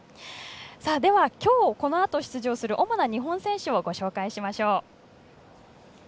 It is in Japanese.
今日このあと出場する主な日本選手をご紹介しましょう。